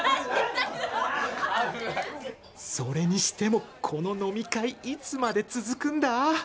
それにしてもこの飲み会いつまで続くんだ？